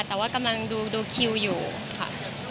แต่ว่ากำลังดูคิวอยู่ค่ะ